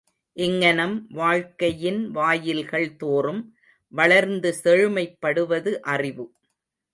இங்ஙனம் வாழ்க்கையின் வாயில்கள் தோறும் வளர்ந்து செழுமைப்படுவது அறிவு.